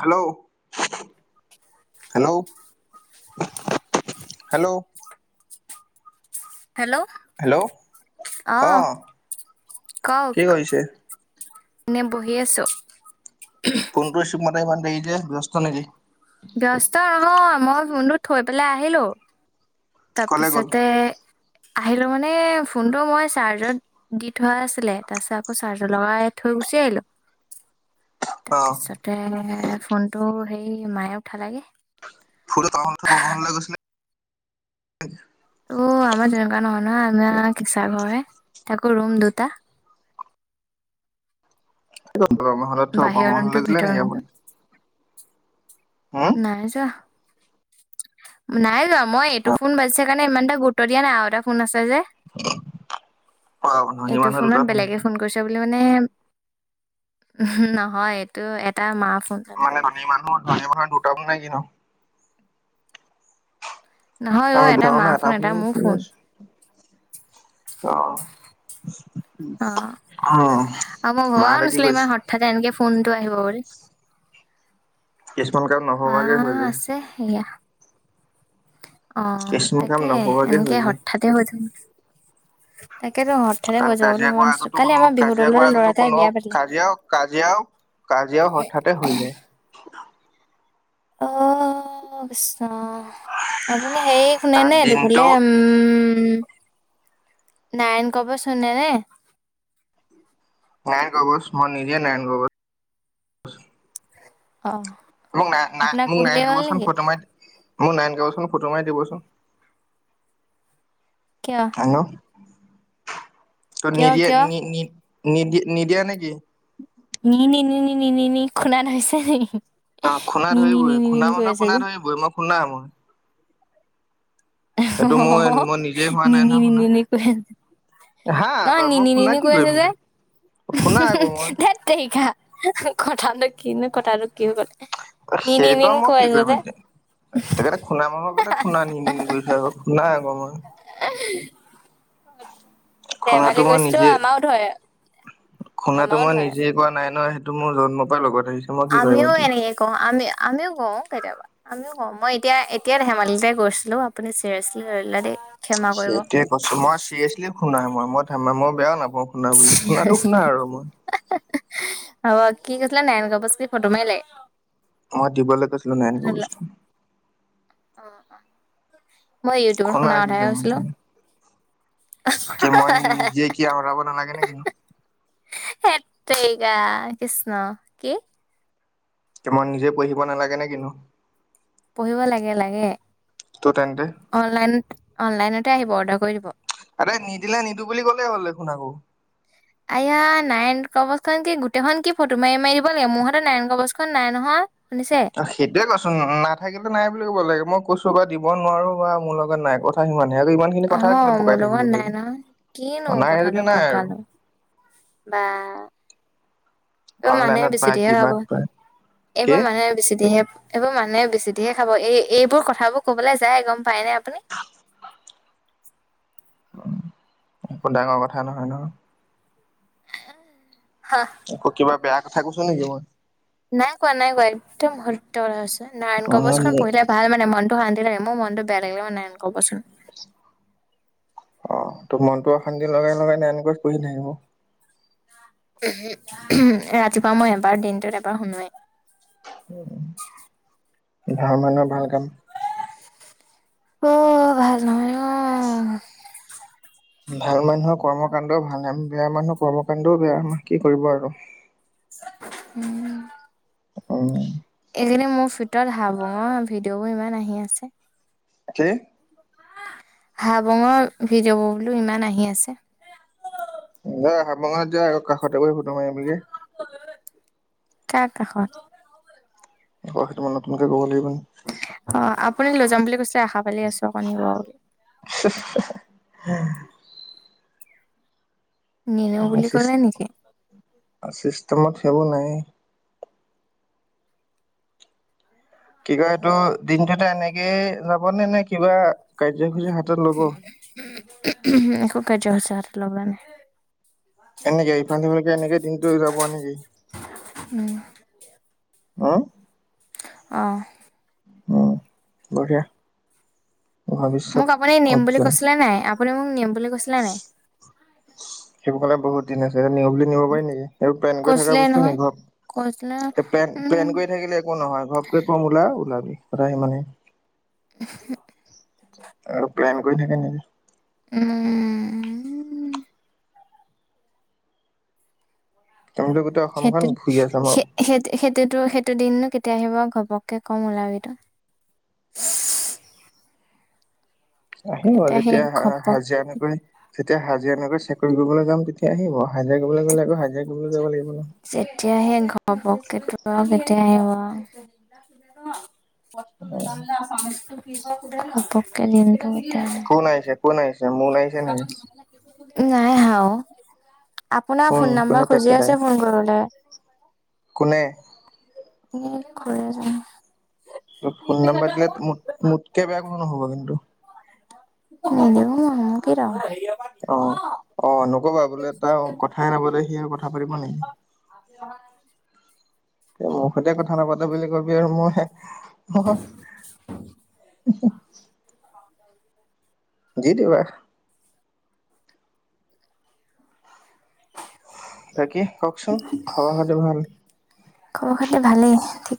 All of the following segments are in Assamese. Hello hello hello hello hello অ আহ কি কৰিছে। এনে বহি আছো। ফোনটো ৰিচিভ কৰোতে ইমান দেৰি যে ব্যস্ত নেকি? ব্যস্ত নহয় মই ফোনটো থৈ পেলাই আহিলো কলে গ'ল তাৰপিছতে আহিলো মানে ফোনতটো মই চাৰ্জাৰ দি থোৱা আছিলে তাৰ পিছত আকৌ চাৰ্জাৰ লগাই থ গোচি আহিলো। অ তাৰপিছতে ফোনটো হেই মায়ে উঠালোগে। ফুুল তাহক ম ল গছিলে অ আমাৰ তেনেকুৱা নহয় নহ আমাৰ কেচা ঘৰ আকৌ ৰুম দুটা। বৰহমলত থব বাহিৰৰ ৰুমটো বহমাহললৈ গিল ভিতৰৰ নেকি ৰুমটো আনি নাই যোৱা নাই যোৱা মই এইটো ফোন বাাজিছা কাৰণে ইমানটা গুৰুত্ব দিয়া নাই এ অ ধনী মানুহ দুটা ফোন এটোমানে উ নহয় এইটো এটা মা। ফোন এটা মানে ধনী মানুহ ধনী মানুহৰ দুটাবোৰ নাই কি ন নহয় অ আৰ জ এটা ন মা ফোন এটা এটাপুনি মোৰ ফোন আছো অ অ হয়। আৰু মই ভবাও নাছিলো ইমান হঠাতে এনেকে ফোনটো আহিব বুলি। কিছুমান কাম মা নভবাকে হৈ যায়। আছে সেয়া অ কিছুমান কাম তাকে নভবাকে হৈ এনেকে যায় হঠাতে হৈ যায়। কাৰণ যাব বুলি কাজিয়া ভবা কৰাৰ নাছিলো আগতো কালি কোনো আমাৰ বিহু কাজিয়া দলৰ কৰাৰ ল'ৰা আগতো এটাই কোনো বিয়া পাতিলে কাজিয়াও কাজিয়াও। কাজিয়াও হঠাতে হৈ যায়। অ'। অ', আপুনি সে শুনে কাৰণ নে দেফলে দিনটো উম', উম নাৰন কবচ শুনে নে। নাৰায়ণ গগ মই নিজিয়ে নাৰায়ণ গ অ আপোনাক পঢ়িলেই হ'ল [unintelligible] নেকি ফটো মাৰি দিবচোন। কিয় হ। তো কিয় নিদিয়া কিয় নি নি নিদিয় নিদিয়া নেকি? [unintelligible] অ খুন্দা নিনি ধৰিবই নিনি খুন্দা নিনি কৈ মানুধৰ আছে খুন্দা যে ধৰিবই মই খুন্দা মই। সেইটো মই মই নিজে হোৱা নি নাই নহয় খুন্দা নিনে কৰে। হা নহ তই মই নিনি খুন্দা নিনি কি কৈ কৰিম আছে যে। এতিয়া খুন্দা আকৌ মই তখা কথাটো কি নো কথাটো কি ক সেইটো আৰু মই কি কৰিম এতিয়া সেইটোণে খুণা মানৰ আগতে খুনা নি কৰিছো আকৌ। নাই আকৌ মই। খুন্দাটো ধেমালি কৈছো আমাৰও ধৰে। শুনাতটো আমাৰও মই ধৰে নিজে কোৱা নাই ন সেইটো মোৰ জন্ম পাই লগত আহিছে মই কি কৰিম আমিও এতিয়া। এনে কে কও আমি আমিও ক কেতিয়াবা। আমিও কওঁ মই এতিয়া এতিয়া ধেমালিতে কৈছিলো আপুনি ছিৰিয়েছলি লয় ল'লে দেই। ক্ষমা কৰিব সেইটোয়ে কৈছো মই চিৰিয়াছলি শুন নাই মই মই থাম মই বেয়াও নাপাওঁ। শুনা বুলি শুনাটো চিৰিয়াছলি শুনা আৰু মই হ'ব কি কৈছিলে নাৰন কাবচ কি ফটো মাৰিলে? মই দিবলৈ গৈছিলো নাৰায়ণ কবজখন। অ অ মই ইউটিউবত খুন্দা শুনা কি কথাই কৰিম কৈছিলো। এতিয়া। কি মই নিজে কি হৰাব নালাগে ন। হেত তেৰিকা কৃষ্ণ, কি? মই নিজে পঢ়িব নালাগে নেকি ন? পঢ়িব লাগে লাগে ত' তেন্তে অনলাইন অনলাইনতে আহিব‌ [unintelligible] আৰে নিদিলে নিদো বুলি ক'লেই হ'ল দেখোন আকৌ আয়া নাৰায়ন কবচ খন কি গোটেইখনন কি ফটো মাৰি মাৰি দিব লাগে মোৰ হতেৰ নাৰায়ন কবচখনন নাই নহয়। শুনিছে অ', সেইটোয়ে কথা নাথাকিলে নাই বুলি ক'ব লাগে মই কৈছো বা দিব নোৱাৰো বা মোৰ লগত নাই কথা সিমান। স আকৌ ইমান খিনি অ কথা কিন্তু মোৰ পকাই থাকিব লগত নাই লাগে নহয় কিনো নাই কথাটো সেইজনী নাই আৰু। পকালো বা। এইবোৰ মানুহে অনলাইনত বেচি পায় দিহে খাব কিবাত পায় কি এইবোৰ মানুহে বেচি দিহে এইবোৰ মানুহে বেছি ধহে খাব এই এইবোৰ কথাবোৰ কবলৈ যায় গম পায় নাই আপুনি। একো ডাঙৰ কথা নহয় ন। হা আকৌ কিবা বেয়া কথা কৈছো নেকি মই? নাই কোৱা নাই কোৱা একদম সত্য ক হৈছে নাৰায়ণ অ কৱচখন মোক পঢ়িলে ভাল মানে মনটো শান্তি তে এম মান বটগিল ম নাই [unintelligible] অ', ত মনতো অশান্তি লগাই লগাই ন এনেকৈ পঢহি থাকিব। ৰাতিপুৱা মই এবাৰ দিনটোত এবাৰ শুনোৱেই। ভাল মানুহৰ ভাল কাম। অ', ভাল নহয়। অ' [inaudible] ভাল মানুহৰ কৰ্মকাণ্ড ভাল ন বেয়া মানুহৰ কৰ্মকাণ্ডও বেয়া কি কৰিব আৰু। উম। উম'। সেইকাৰিনি মোৰ ভিতৰত হাবুঙৰ ভিডিঅ' বোৰ ইমান আহি আছে। কি? হা বঙৰ ভিডিঅ'বোৰ বোলো ইমান আহি আছে। অ, হাবঙত যোৱা আকৌ কাষতে গৈ ফুটো মাৰিবলৈ। কাৰ কাষত? সেইটো মই নতুনকে ক'ব লাগিব নেকি? অ' আপুনি লৈ যাম বুলি কৈছে, আশা পালি আছো আপুনি নিব বুলি। [inaudible] নিনিও বুলি ক'লে নেকি চিষ্টেমত সেইবোৰ নাই। কি কয়, এইটো দিনটোতে এনেকে যাব নে, নে কি, কিবা কাৰ্যসূচী হাতত ল'ব। উ, হুম। একো কৰ্যখুচি হাতত লবলে নাই। এনেকে ইফাল সিফালকে এনেকে দিনটো যাব নেকি। উম। হা। অহ। উম, বঢ়িয়া। ভৱিষ্যত মোক আপুনি নিম বুলি উজ্জ্বল কৈছিলে নে নাই, আপুনি মোক নিম বুলি কৈছিলে নে নাই? সেইবোৰ কাৰণে বহুত দিন আছে, নিও বুলি নিব পাৰি নেকি, এইবোৰ প্লেন কৰি থকা কৈছিলে বস্তু নহয় নিকি কৈছিলে ঘৰত। উম পেন-পেন কৰি থাকিলে একো নহয়, ঘপকে কম ওলা, ওলাবি কথা সিমানেই। [inaudible] আৰু প্লেন কৰি থাকে, নেকি। উ'ম। তুমিতো গোটেই অসমখন সেইটো, ঘূৰি আছা স, মই সেই-সেইটোতো, সেই, সেইটো দিননো কেতিয়া আহিব, আৰু ঘপককে কম ওলাবি তই। আহিব এতিয়া সেই যেতিয়া ঘপক হাজিৰা নকৰি, যেতিয়া হাজিৰা নকৰি চ- কৰিবলৈ যাম তেতিয়া আহিব, হাজিৰা কৰিবলৈ গ'লে আকৌ হাজিৰা কৰিবলৈ যাব লাগিব। ন। যেতিয়াহে, ঘপক ত কেতিয়া আহিব? ঘপকে দিনটো। কেতিয়া আহে কোন আহিছে, কোন আহিছে, মোন আহিছে নিকি? নাই আহা অ, আপোনাৰ কোন ফোন নম্বৰ কোনে পেট খুজি পেলাই আছে। [unintelligible] কোনে? এ, ঘৰ এজনে। তই ফোন নম্বাৰ দিলে, মো-মোতকে বেয়া কোনো নহ'ব কিন্তু। নিদো [unintelligible] অ', অ', নকবা বোলে তাৰ কথাই নাপাতে সি আৰু কথা পাতিব নেকি। [inaudible] এ, মোৰ সৈতে কথা নাপাতে বুলি কবি আৰু মই [inaudible] দি, দিবা। তাকে কওকচোন খবৰ খাতি ভাল। খবৰ, খাতি ভালেই ঠিক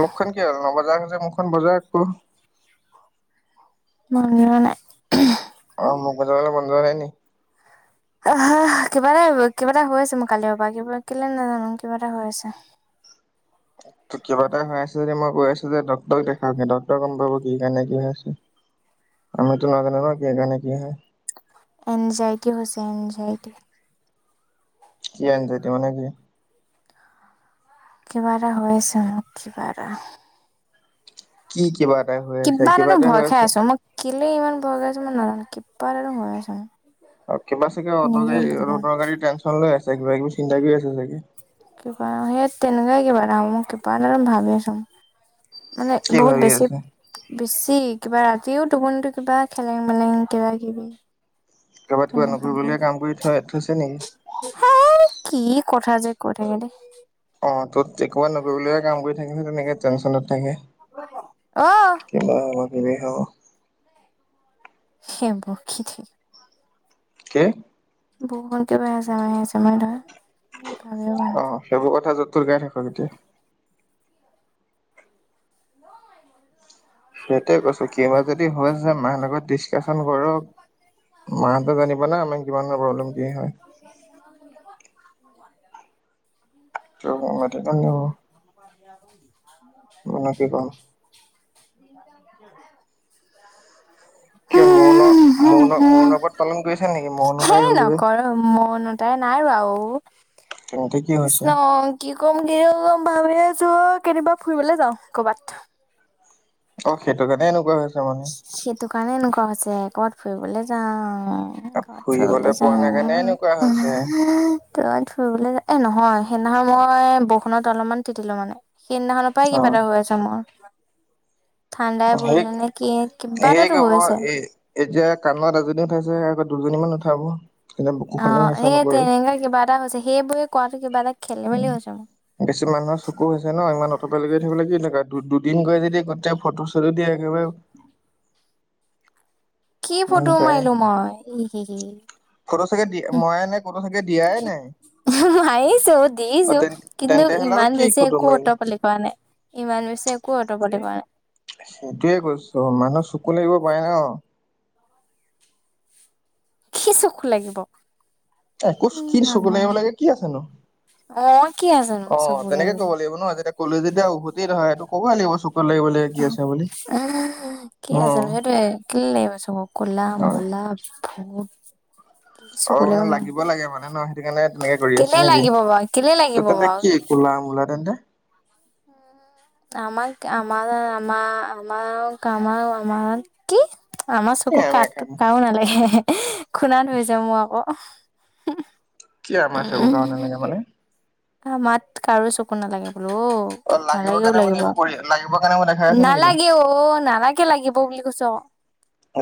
মুখখন কি হ'ল নবজা হ'ল যে মুখখন বজোৱা একো মন জোৱা নাই। অ, মুখ বজাবলৈ মন যোৱা নাই নি? [inaudible] আহ কিবা এটা, কিবা এটা হৈ আছে, মো কালিয় পৰা কিবা কেলে নাজানো কিবা এটা হৈ আছে। [inaudible] কিবা এটা হৈ আছে, যদি মই কৈ আছো যে, ডক্টৰক দেখাবি ডক্টৰে গম পাব কি কাৰণে কি হৈ আছে। আমিতো নাজানো ন কিহৰ কাৰনে কি হয়? এনজাইটি হৈছে, এনজাইটি। কি এ এনজাইটি মানে কি? কিবা এটা হৈ আছে ন কিবা এটা কি কিবা? এটা হৈ আছে কিবা এটা ভয় হৈ খাই আছে। আছো মই কেলে ইমান ভয় খাইছো মই নাজানো কিবা এটা ভয় আছো মই। অ' কিবা চাগে [unintelligible] অদৰকাৰী টেনচন লৈ আছে কিবা কিবি চিন্তা কৰি আছে চাগে কিবা সেই তেনেকুৱাই কিবা হ'ব মোই কিবা এটা ভাবি আছো। মানে কি বহুত ভাবি বেছি আছে বেছি কিবা ৰাতিও টোপনিটো কিবা খেলেং মেলেং কিবা কিবি। কবাত কিবা তেনেকুৱা নকৰিবলগিয়া লাগে। কাম কৰি থৈ থৈছে নেকি? হেই কি কথা যে কই থাকে দেই। অ' তত কোবাত নকৰিবলগীয়া কাম কৰি থাকিলে তেনেকে টেনচনত থাকে। আহ এনে হ সেই বক্ষী থি কি? বহুতষুকে বাই আছে মাৰ আছে মাৰ ধৰা [unintelligible] অ সেইবোৰ কথা যত তোৰ গাই থাকক এতিয়া সেইটোৱে কৈছো কিবা যদি হৈ হৈছে মাৰ লগত ডিচকাচন কৰক মাক জানিবা না আমাৰ কিমান প্ৰব্লেম কি হয় [inaudible] [unintelligible] [inaudible] মই নো কি কও? [inaudible] কিয় মৌন মৌনৰ্বত পালন কৰিছে নেকি? মৌন হে তাই ৰুলে যে নকৰ মন তাই নাই বাৰু। তেন্তে কি হৈছে কৃষ্ণ কি কৰ [unintelligible] ভাবি আছোঁ কেতিয়াবা ফুৰিবলে যাওঁ কৰ'বাত। অ', সেইটো কাৰণে এনেকুৱা হৈছ সেইটো কাৰণে এনেকুৱা হৈছে ক'বাত ফুৰিবলৈ যাওঁ। [unintelligible] ক'বাত ফুৰিবলৈ পোৱা যাম নাই কাৰণে এনেকুৱা [unintelligible] হৈছে [unintelligible] এ নহয়, সেইদিনাখন মই বৰষুণত অলপমান তিতিলোঁ মানে সেইদিনাখনৰ পৰাই অ কিবা এটা হৈ আছে মোৰ ঠাণ্ডাই বহিলে নে কি কিবা হেৰি এটাতো হৈ আকৌ, আছে এ, এতিয়া [unintelligible] এজনী উঠাইছে, আকৌ দুজনীমান উঠাব তেতিয়া বুকুখনেও অ', হেঁচা এ নপৰে তেনেকুৱাই কিবা এটা হৈছে। সেইবোৰে কোৱাটো কিবা এটা খেলি মেলি উম, হৈছে মোৰ বেছি মানুহৰ চকুত হৈছে ন', ইমানত ফটো লগাই থাকিবলৈ কি দৰকাৰ? দুদিন গৈ যদি গোটেই ফটো-চটো দিয়ে একেবাৰে [inaudible] কি ফটো তাই মাৰিলোঁ মই? ফটো চাগে দি, মইয়েই নাই, ক'তো চাগে দিয়াই নাই মাৰিছোঁ, অ দিছোঁ, তে কিন্তু তেন্তে হ'লে আকৌ ইমান কি বেছি ফটো একো মাৰিম অতপালি কৰা নাই। ইমান বেছি একো অতপালি কৰা সেইটোৱেই কৈছোঁ, মানুহৰ চকু লাগিব পাৰে ন' কি চকু লাগিব? এ', কৈছোঁ কি উম চকু লাগিব আমাৰ লাগে কি আছে নো? অ' কি আছেনো অ', চকুলে তেনেকৈ বুলি ক'ব লাগে ন? যেতিয়া ক'লেও যেতিয়া উভতি ধৰে, এইটো ক'বই লাগিব চকু [unintelligible] কি আছে বুলি কি অ আছে নো, সেইটোৱেই, কেলে লাগিব চকু? ক'লা-মলা ভূত কি অ', চকুলে মানে ইমান লাগিব লাগে মানে, ন? সেইটো কাৰণে তেনেকে কৰি কেলে আছ নেকি? লাগিব বাৰু কেলে লাগিব ত', তেন্তে বাৰু কি, ক'লা-মলা তেন্তে? আমাক, আমাৰ যেন, আমাৰ, আমাৰ আৰু, কাম আৰু, আমাৰ আৰু কি? আমাৰ কি চকু কাম [unintelligible] কাৰো নালাগে খুনা ধৰিছে মোৰ আকৌ কি, আমাৰ চকু উম, কাৰো নালাগে মানে? আমাত কাৰো চকু নালাগে। ৰ অ লাগিবৰ নালাগেও কাৰণে মানে লাগিব, এইবোৰ কৰি লাগিবৰ কাৰণে মই দেখাই আছে নে কিনো নালাগে অ', নালাগে লাগিব ব বুলি কৈছো আকৌ।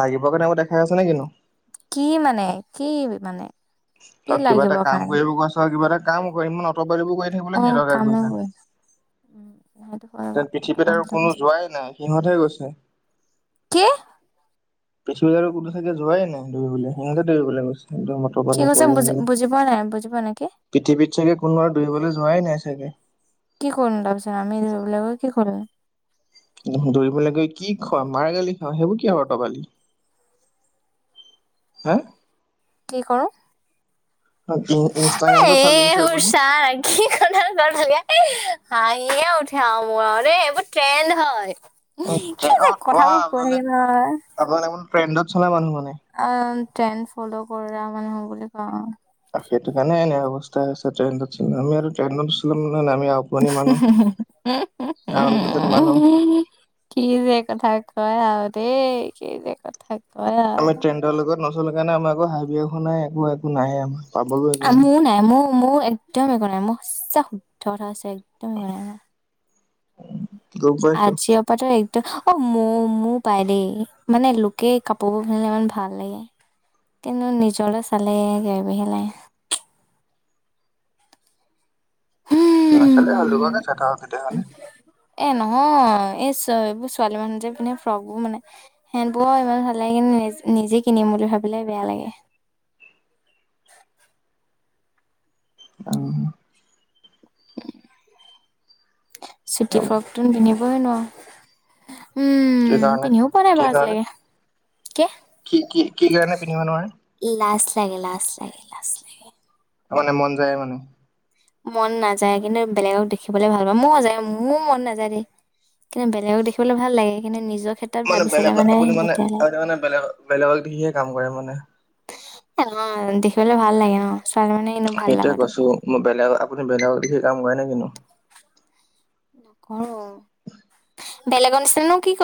লাগিবৰ কাৰণে আকৌ দেখাই আছ নে কিনো? কি মানে কি মানে কি তই কিবা লাগিব এটা কাম কাৰণে কৰিব কৈ আছ, কিবা এটা কামো কৰিম ন। [unintelligible] কৰি থাকিবলে অ কি দৰকাৰ কামে পৰিছে? কৰিম উম সেইটো হয় বাৰু যেন পৃথিৱীত আৰু অট'মেটিক কোনো হৈছে। যোৱাই নাই, সিহঁতেহে গৈছে। কি? পৃথিৱী আৰু কোনো চাগে যোৱাই নাই দৌৰিবলৈ, সিহঁতে দৌৰিবলৈ গৈছে সে [unintelligible] কি কৈছে বুজি বুজি পোৱা নাই বুজি পোৱা নাই কি পৃথিৱীত চাগে কোনো আৰু দৌৰিবলৈ যোৱাই নাই চাগে। কি কৰিম তাৰপিছত আমি [unintelligible] কি কৰিল দৌৰিবলৈ গৈ কি খোৱা মাৰ গালি খাও, সেইবোৰ কি আৰু অতপালি? হা? কি কৰো? এ ইনষ্টাগ্ৰামটো ফালি আছে এবোৰ আপুনি চানা, কি কথা [unintelligible] হাঁহিয়ে উঠে মোৰ আৰু দে, এইবোৰ ট্ৰেন্দ হয়। অ', [unintelligible] কি যে কথাবোৰ কৈ থাকে নহয় ট্ৰেণ্ডত চলা মানুহ মা অ', ট্ৰেণ্ড ফল' কৰা মানুহ বুলি কওঁ। সেইটো কাৰণে এনে অৱস্থা হৈছে, ট্ৰেন্দত চলি। আমি আৰু ট্ৰেন্দত নছলো আন মানুহ [unintelligible] কি যে কথা কোৱা আৰু দেই, কি যে কথা কোৱা আৰু। নচলে কাৰণে আমাৰ একো [unintelligible] নাই একো, একো নাই আমাৰ। পাবলৈও একো আ' মোৰ নাই, মোৰ মোৰ একদম একো নাই, মোৰ চব শুদ্ধ হৈ আছে। মোৰ একদম একো নাই। গম পাইছো আজি অপাটো এক অ' মো-মোৰ পাই দেই, মানে লোকে কাপোৰবোৰ পিন্ধিলে ইমান ভাল লাগে। কিন্তু নিজলে চালে বেয়া বেয়াহে লাগে। নাচালে হ'ল হুম। লোককে চাই থাকা তেতিয়াহলে। এ নহয়, এই এইবোৰ ছোৱালী মানুহ যে পিন্ধে ফ্ৰক বোৰ মানে সেনবোৰ ইমান ভাল লাগিল। নিজে কিনিম বুলি ভাবিলে বেয়া লাগে। [inaudible] আহ। চুটি ফ্ৰকটো পিন্ধিবই নোৱাৰোঁ। কি উম, কাৰণে পিন্ধিও পোৱা নাই কি বাৰু কাৰণে আজিলেকে কে। কি কি কি কাৰণে পিন্ধিব নোৱাৰে? লাজ লাগে, লাজ লাগে, লাজ লাগে। মানে, মন যায় মানে। মন নাযায়, কিন্তু বেলেগক দেখিবলৈ ভাল পাওঁ। মোৰ সজায় মোৰ মন নাযায় দেই। কিন্তু বেলেগক দেখিবলৈ ভাল লাগে। কিন্তু নিজক মানে বেলেগ আপুনি মানে মানে বেলেগ বেলেগক দেখিহে কাম কৰে মানে। অ' দেখিবলৈ ভাল লাগে অ'। সেইটোয়ে কৈছো, মই বেলেগ আপুনি বেলেগক দেখিয়ে কাম কৰে নেকি নো? নকৰো বেলেগৰ নিচিনানো কি